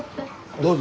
どうぞ。